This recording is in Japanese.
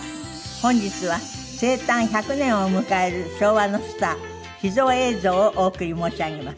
本日は生誕１００年を迎える昭和のスター秘蔵映像をお送り申し上げます。